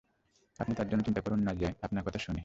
আপনি তার জন্য চিন্তা করুন না যে আপনার কথা শোনে।